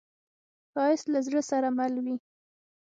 ښایست له زړه سره مل وي